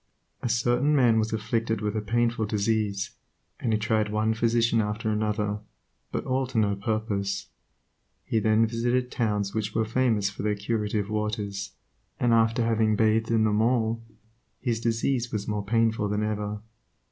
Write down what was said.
A certain man was afflicted with a painful disease, and he tried one physician after another, but all to no purpose. He then visited towns which were famous for their curative waters, and after having bathed in them all, his disease was more painful than ever.